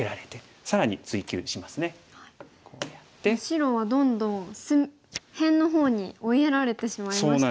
白はどんどん辺の方に追いやられてしまいましたね。